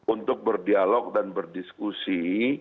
untuk berdialog dan berdiskusi